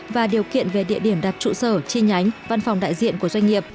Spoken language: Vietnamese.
và điều kiện về địa điểm đặt trụ sở chi nhánh văn phòng đại diện của doanh nghiệp